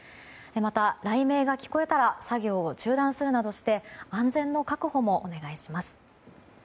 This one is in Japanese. また雷鳴が聞こえたら作業を中断するなどして安全の確保もお願いします。